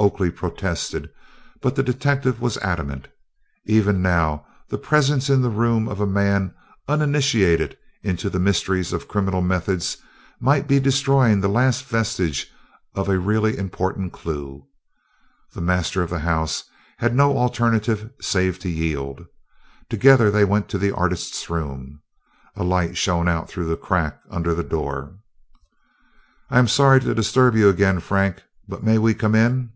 Oakley protested, but the detective was adamant. Even now the presence in the room of a man uninitiated into the mysteries of criminal methods might be destroying the last vestige of a really important clue. The master of the house had no alternative save to yield. Together they went to the artist's room. A light shone out through the crack under the door. "I am sorry to disturb you again, Frank, but may we come in?"